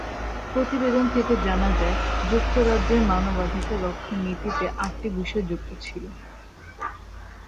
প্রতিবেদন থেকে জানা যায়, যুক্তরাজ্যের মানবাধিকার রক্ষার নীতিতে আটটি বিষয় যুক্ত ছিল।